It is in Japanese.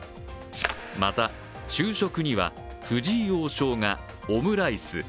また、昼食には藤井王将がオムライス。